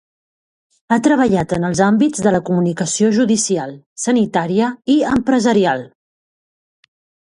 Ha treballat en els àmbits de la comunicació judicial, sanitària i empresarial.